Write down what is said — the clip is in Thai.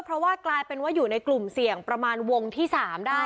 เพราะว่ากลายเป็นว่าอยู่ในกลุ่มเสี่ยงประมาณวงที่๓ได้